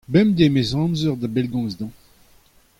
Bemdez em bez amzer da bellgomz dezhañ.